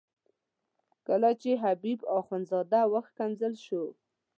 کله چې حبیب اخندزاده وښکنځل شو.